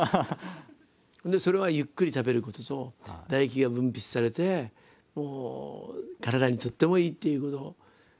それはゆっくり食べることと唾液が分泌されて体にとってもいいっていうこと。